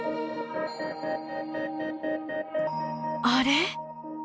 あれ！？